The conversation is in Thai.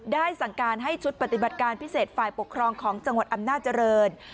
สั่งการให้ชุดปฏิบัติการพิเศษฝ่ายปกครองของจังหวัดอำนาจริง